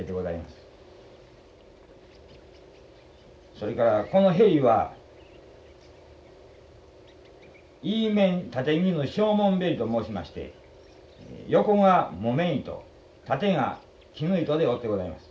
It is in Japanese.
それからこの縁は緯綿経絹小紋縁と申しまして横が木綿糸縦が絹糸で織ってございます。